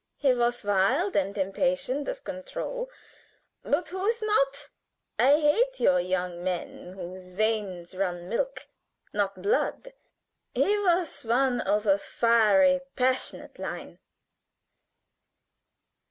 He was wild and impatient of control, but who is not? I hate your young men whose veins run milk, not blood. He was one of a fiery passionate line.